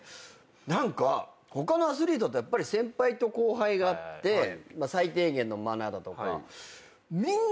何か他のアスリートってやっぱり先輩と後輩があって最低限のマナーだとか。